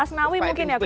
asnawi mungkin ya coach